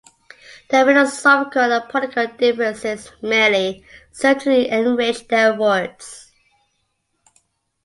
Their philosophical and political differences merely served to enrich their efforts.